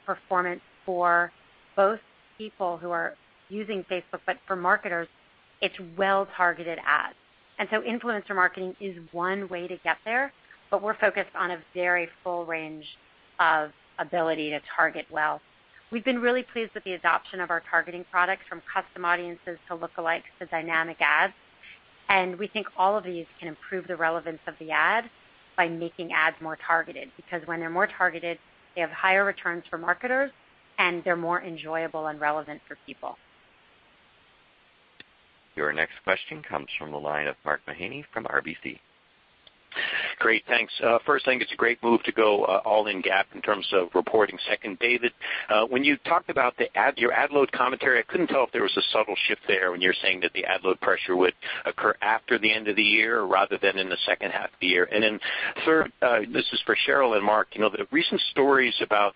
performance for both people who are using Facebook, but for marketers, it's well-targeted ads. Influencer marketing is one way to get there, but we're focused on a very full range of ability to target well. We've been really pleased with the adoption of our targeting products from Custom Audiences to Lookalikes to Dynamic Ads. We think all of these can improve the relevance of the ad by making ads more targeted. When they're more targeted, they have higher returns for marketers, and they're more enjoyable and relevant for people. Your next question comes from the line of Mark Mahaney from RBC. Great, thanks. First, I think it's a great move to go all in GAAP in terms of reporting. Second, David, when you talked about your ad load commentary, I couldn't tell if there was a subtle shift there when you're saying that the ad load pressure would occur after the end of the year rather than in the second half of the year. Third, this is for Sheryl and Mark. You know, the recent stories about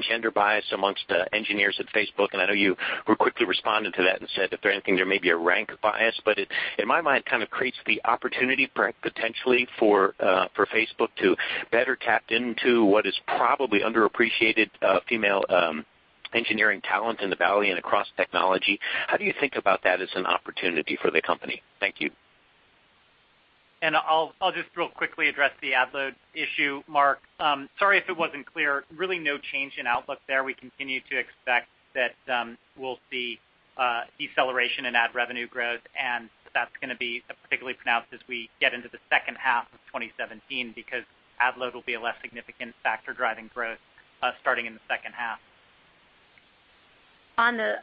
gender bias amongst engineers at Facebook, I know you were quickly responding to that and said if anything, there may be a rank bias. It, in my mind, kind of creates the opportunity potentially for Facebook to better tap into what is probably underappreciated female engineering talent in the Valley and across technology. How do you think about that as an opportunity for the company? Thank you. I'll just real quickly address the ad load issue, Mark. Sorry if it wasn't clear. Really no change in outlook there. We continue to expect that we'll see deceleration in ad revenue growth, that's gonna be particularly pronounced as we get into the second half of 2017 because ad load will be a less significant factor driving growth starting in the second half. On the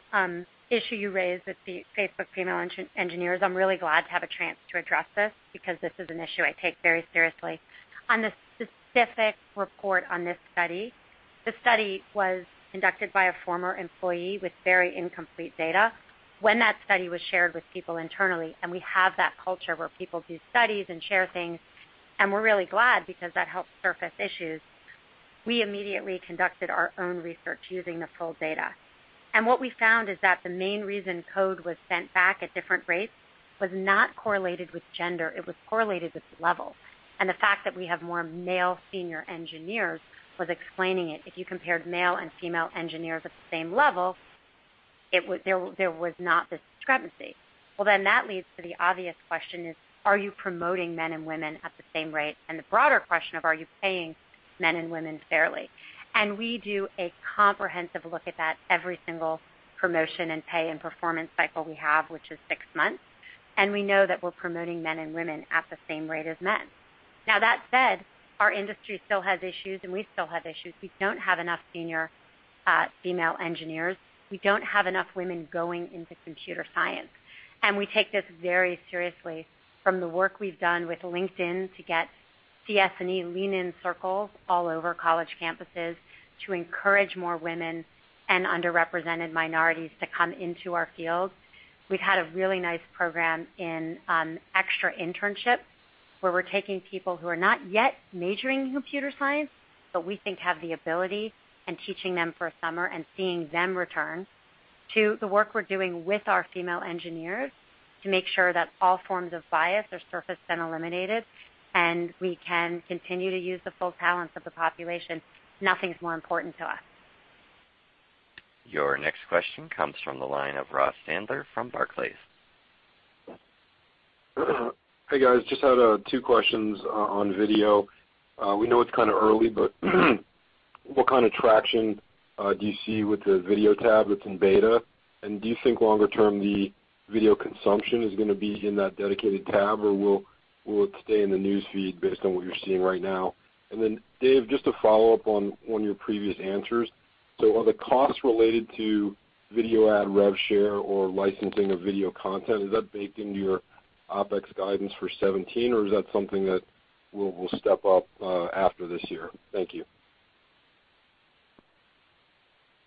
issue you raised with the Facebook female engineers, I'm really glad to have a chance to address this because this is an issue I take very seriously. On the specific report on this study, the study was conducted by a former employee with very incomplete data. When that study was shared with people internally, and we have that culture where people do studies and share things, and we're really glad because that helps surface issues, we immediately conducted our own research using the full data. What we found is that the main reason code was sent back at different rates was not correlated with gender. It was correlated with level. The fact that we have more male senior engineers was explaining it. If you compared male and female engineers at the same level, there was not this discrepancy. That leads to the obvious question is, are you promoting men and women at the same rate? The broader question of are you paying men and women fairly? We do a comprehensive look at that every single promotion and pay and performance cycle we have, which is six months. We know that we're promoting men and women at the same rate as men. That said, our industry still has issues, and we still have issues. We don't have enough senior female engineers. We don't have enough women going into computer science, and we take this very seriously. From the work we've done with LinkedIn to get CS&E Lean In Circles all over college campuses to encourage more women and underrepresented minorities to come into our field. We've had a really nice program in extra internships, where we're taking people who are not yet majoring in computer science, but we think have the ability and teaching them for a summer and seeing them return, to the work we're doing with our female engineers to make sure that all forms of bias are surfaced and eliminated, and we can continue to use the full talents of the population. Nothing's more important to us. Your next question comes from the line of Ross Sandler from Barclays. Hey, guys. Just had two questions on video. We know it's kind of early, but what kind of traction do you see with the Video tab that's in beta? Do you think longer term the video consumption is gonna be in that dedicated tab, or will it stay in the News Feed based on what you're seeing right now? Dave, just to follow up on your previous answers. Are the costs related to video ad rev share or licensing of video content, is that baked into your OpEx guidance for 2017, or is that something that will step up after this year? Thank you.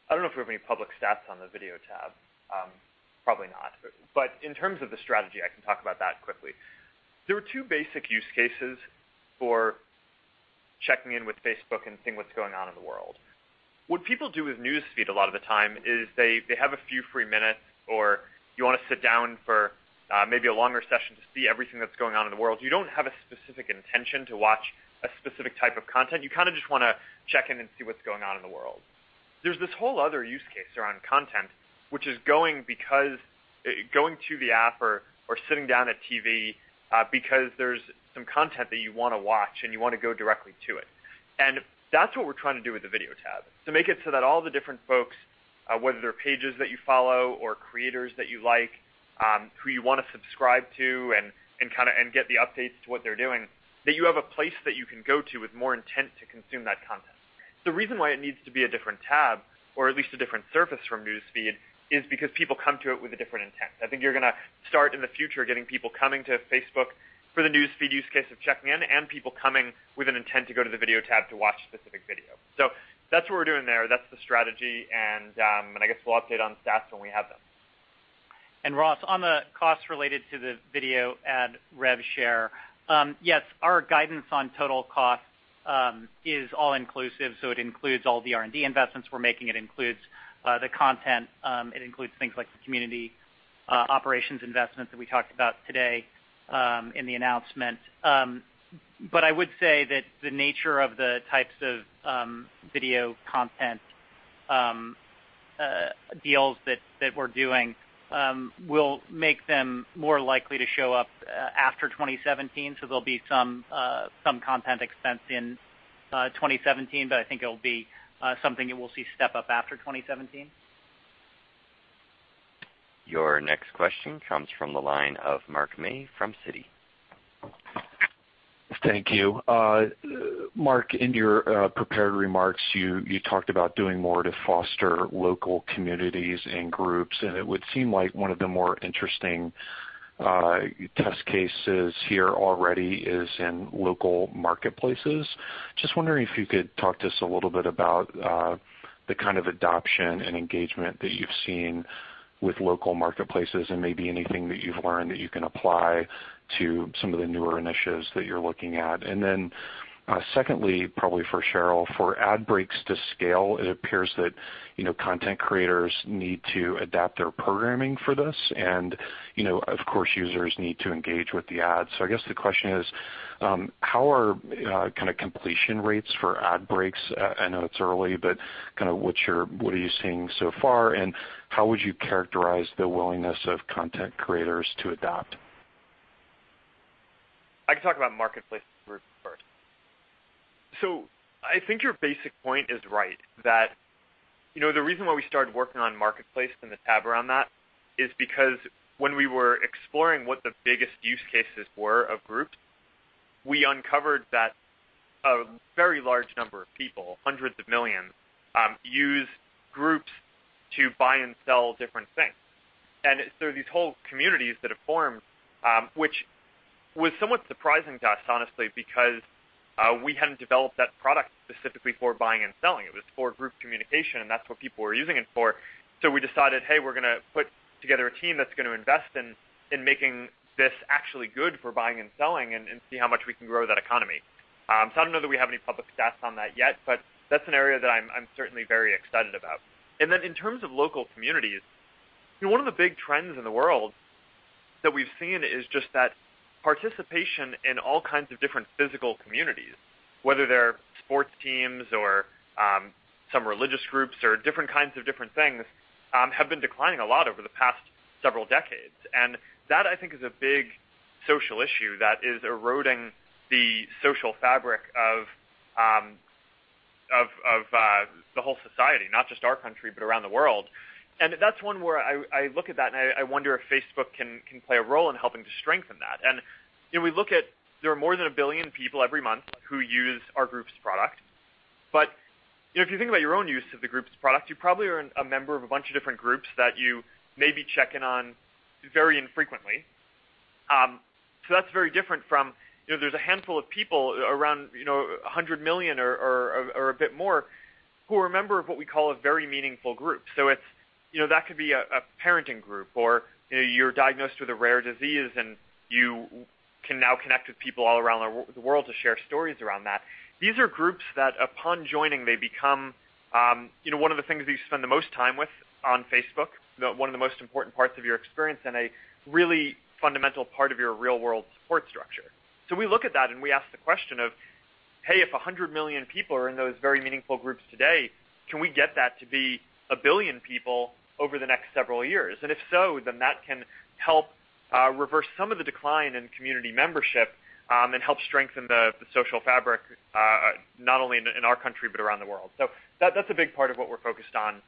I don't know if we have any public stats on the Video tab. Probably not. In terms of the strategy, I can talk about that quickly. There are two basic use cases for checking in with Facebook and seeing what's going on in the world. What people do with News Feed a lot of the time is they have a few free minutes, or you want to sit down for maybe a longer session to see everything that's going on in the world. You don't have a specific intention to watch a specific type of content. You kind of just wanna check in and see what's going on in the world. There's this whole other use case around content, which is going because going to the app or sitting down at TV because there's some content that you want to watch, and you want to go directly to it. That's what we're trying to do with the Video tab, to make it so that all the different folks, whether they're Pages that you follow or creators that you like, who you want to subscribe to and kind of, and get the updates to what they're doing, that you have a place that you can go to with more intent to consume that content. The reason why it needs to be a different tab or at least a different surface from News Feed is because people come to it with a different intent. I think you are going to start in the future getting people coming to Facebook for the News Feed use case of checking in and people coming with an intent to go to the Video tab to watch specific video. That is what we are doing there. That is the strategy. I guess we will update on stats when we have them. Ross, on the costs related to the video ad rev share, yes, our guidance on total costs is all inclusive, it includes all the R&D investments we are making. It includes the content. It includes things like the community operations investment that we talked about today in the announcement. I would say that the nature of the types of video content deals that we are doing will make them more likely to show up after 2017. There'll be some content expense in 2017, but I think it'll be something that we'll see step up after 2017. Your next question comes from the line of Mark May from Citi. Thank you. Mark, in your prepared remarks, you talked about doing more to foster local communities and groups, it would seem like one of the more interesting test cases here already is in local marketplaces. Just wondering if you could talk to us a little bit about the kind of adoption and engagement that you've seen with local marketplaces and maybe anything that you've learned that you can apply to some of the newer initiatives that you're looking at. Secondly, probably for Sheryl, for ad breaks to scale, it appears that, you know, content creators need to adapt their programming for this. You know, of course, users need to engage with the ads. I guess the question is, how are kinda completion rates for ad breaks? I know it's early, but kinda what are you seeing so far, and how would you characterize the willingness of content creators to adapt? I can talk about Marketplace group first. I think your basic point is right, that, you know, the reason why we started working on Marketplace and the tab around that is because when we were exploring what the biggest use cases were of groups, we uncovered that a very large number of people, hundreds of millions, use groups to buy and sell different things. These whole communities that have formed, which was somewhat surprising to us, honestly, because we hadn't developed that product specifically for buying and selling. It was for group communication, and that's what people were using it for. We decided, hey, we're gonna put together a team that's gonna invest in making this actually good for buying and selling and see how much we can grow that economy. I don't know that we have any public stats on that yet, but that's an area that I'm certainly very excited about. In terms of local communities, you know, one of the big trends in the world that we've seen is just that participation in all kinds of different physical communities, whether they're sports teams or some religious groups or different kinds of different things, have been declining a lot over the past several decades. That, I think, is a big social issue that is eroding the social fabric of the whole society, not just our country, but around the world. That's one where I look at that and I wonder if Facebook can play a role in helping to strengthen that. You know, we look at there are more than a billion people every month who use our Groups product. You know, if you think about your own use of the Groups product, you probably are a member of a bunch of different groups that you may be checking on very infrequently. That's very different from, you know, there's a handful of people around, you know, 100 million or a bit more who are a member of what we call a very meaningful group. It's, you know, that could be a parenting group, or, you know, you're diagnosed with a rare disease and you can now connect with people all around the world to share stories around that. These are groups that, upon joining, they become, you know, one of the things you spend the most time with on Facebook, one of the most important parts of your experience and a really fundamental part of your real-world support structure. We look at that and we ask the question of, hey, if 100 million people are in those very meaningful groups today, can we get that to be a billion people over the next several years? If so, then that can help reverse some of the decline in community membership and help strengthen the social fabric not only in our country, but around the world. That's a big part of what we're focused on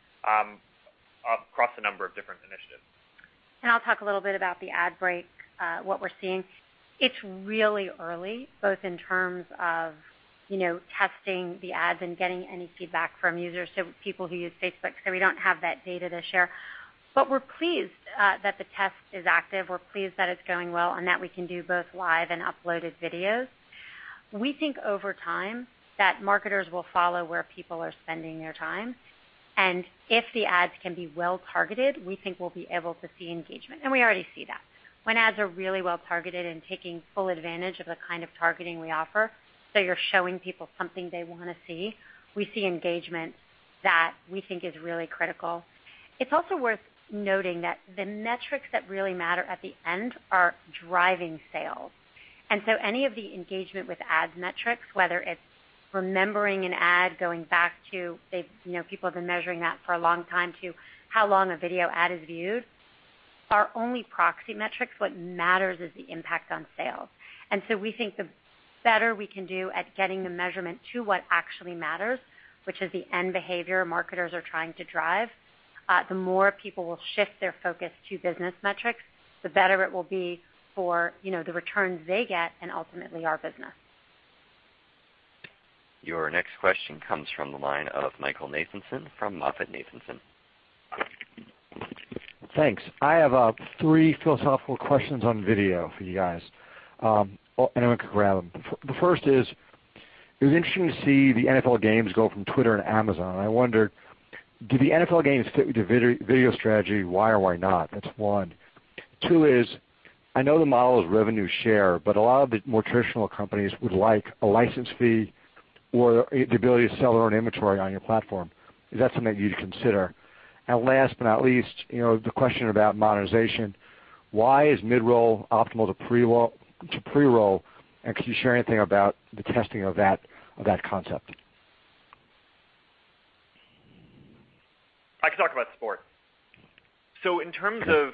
across a number of different initiatives. I'll talk a little bit about the ad break, what we're seeing. It's really early, both in terms of, you know, testing the ads and getting any feedback from users, so people who use Facebook. We don't have that data to share. We're pleased that the test is active. We're pleased that it's going well and that we can do both live and uploaded videos. We think over time that marketers will follow where people are spending their time. If the ads can be well-targeted, we think we'll be able to see engagement. We already see that. When ads are really well-targeted and taking full advantage of the kind of targeting we offer, so you're showing people something they wanna see, we see engagement that we think is really critical. It's also worth noting that the metrics that really matter at the end are driving sales. Any of the engagement with ad metrics, whether it's remembering an ad, going back to, you know, people have been measuring that for a long time to how long a video ad is viewed, are only proxy metrics. What matters is the impact on sales. We think the better we can do at getting the measurement to what actually matters, which is the end behavior marketers are trying to drive, the more people will shift their focus to business metrics, the better it will be for, you know, the returns they get and ultimately our business. Your next question comes from the line of Michael Nathanson from MoffettNathanson. Thanks. I have three philosophical questions on video for you guys. Anyone can grab them. The first is, it was interesting to see the NFL games go from Twitter and Amazon, and I wonder, do the NFL games fit with your video strategy? Why or why not? That's one. Two is, I know the model is revenue share, but a lot of the more traditional companies would like a license fee or the ability to sell their own inventory on your platform. Is that something that you'd consider? Last but not least, you know, the question about monetization. Why is mid-roll optimal to pre-roll? To pre-roll, can you share anything about the testing of that, of that concept? I can talk about sport. In terms of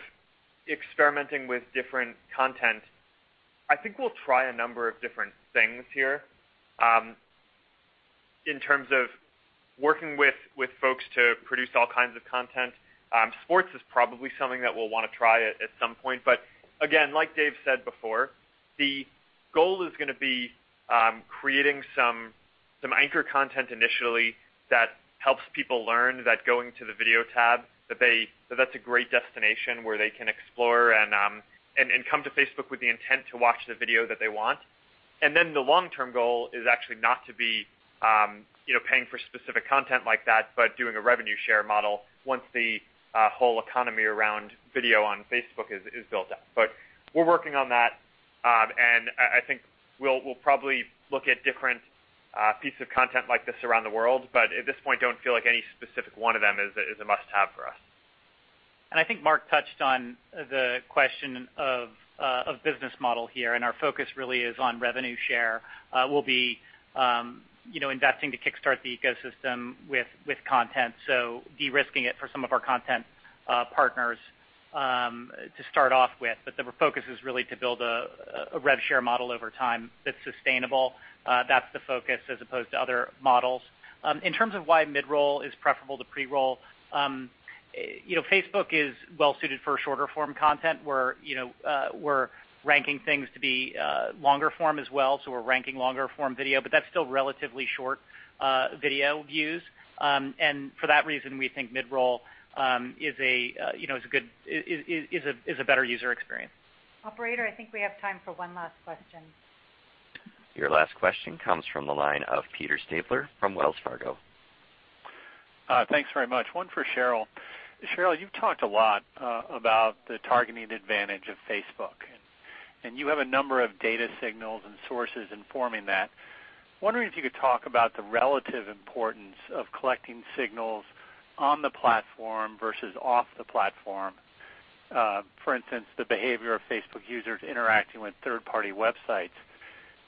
experimenting with different content, I think we'll try a number of different things here. In terms of working with folks to produce all kinds of content, sports is probably something that we'll wanna try at some point. Again, like Dave said before, the goal is gonna be creating some anchor content initially that helps people learn that going to the Video tab, so that's a great destination where they can explore and come to Facebook with the intent to watch the video that they want. Then the long-term goal is actually not to be, you know, paying for specific content like that, but doing a revenue share model once the whole economy around video on Facebook is built up. We're working on that. I think we'll probably look at different pieces of content like this around the world, but at this point, don't feel like any specific one of them is a must-have for us. I think Mark touched on the question of business model here, and our focus really is on revenue share. We'll be, you know, investing to kickstart the ecosystem with content, so de-risking it for some of our content partners to start off with. The focus is really to build a rev share model over time that's sustainable. That's the focus as opposed to other models. In terms of why mid-roll is preferable to pre-roll, you know, Facebook is well suited for shorter-form content. We're, you know, we're ranking things to be longer form as well, so we're ranking longer-form video, but that's still relatively short video views. For that reason, we think mid-roll, you know, is a good is a better user experience. Operator, I think we have time for one last question. Your last question comes from the line of Peter Stabler from Wells Fargo. Thanks very much. One for Sheryl. Sheryl, you've talked a lot about the targeting advantage of Facebook, and you have a number of data signals and sources informing that. Wondering if you could talk about the relative importance of collecting signals on the platform versus off the platform. For instance, the behavior of Facebook users interacting with third-party websites.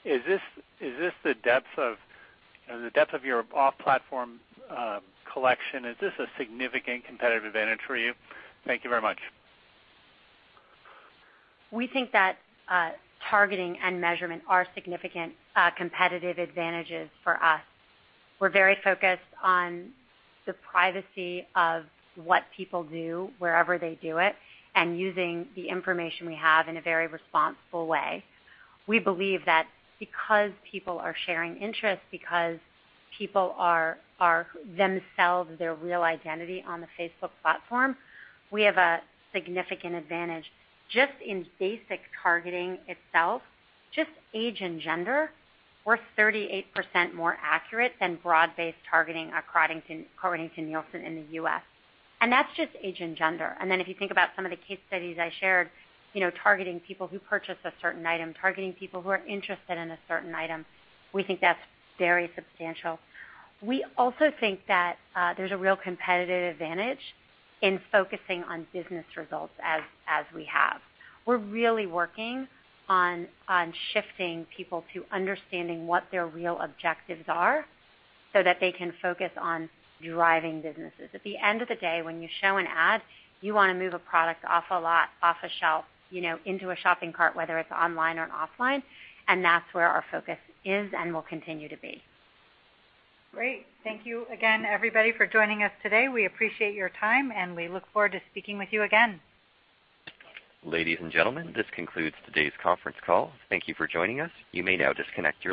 Is this the depth of your off-platform collection? Is this a significant competitive advantage for you? Thank you very much. We think that targeting and measurement are significant competitive advantages for us. We're very focused on the privacy of what people do wherever they do it, and using the information we have in a very responsible way. We believe that because people are sharing interests, because people are themselves, their real identity on the Facebook platform, we have a significant advantage just in basic targeting itself. Just age and gender, we're 38% more accurate than broad-based targeting, according to Nielsen in the U.S. That's just age and gender. Then if you think about some of the case studies I shared, you know, targeting people who purchase a certain item, targeting people who are interested in a certain item, we think that's very substantial. We also think that there's a real competitive advantage in focusing on business results as we have. We're really working on shifting people to understanding what their real objectives are so that they can focus on driving businesses. At the end of the day, when you show an ad, you wanna move a product off a lot, off a shelf, you know, into a shopping cart, whether it's online or offline, and that's where our focus is and will continue to be. Great. Thank you again, everybody, for joining us today. We appreciate your time, and we look forward to speaking with you again. Ladies and gentlemen, this concludes today's conference call. Thank you for joining us. You may now disconnect your lines.